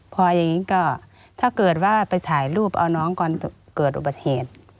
พออย่างนี้ก็ถ้าเกิดว่าไปถ่ายรูปเอาน้องก่อนเกิดอุบัติเหตุ